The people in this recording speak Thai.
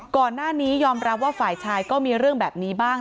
ก่อนหน้านี้ยอมรับว่าฝ่ายชายก็มีเรื่องแบบนี้บ้าง